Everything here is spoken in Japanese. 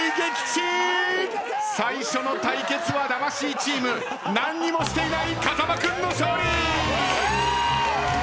最初の対決は魂チーム何にもしていない風間君の勝利。